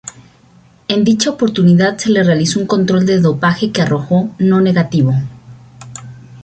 En dicha oportunidad se le realizó un control de dopaje, que arrojó "no negativo".